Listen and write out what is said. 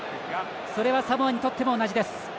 それはサモアにとっても同じです。